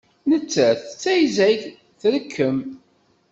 Nettat tettayzag, trekkem.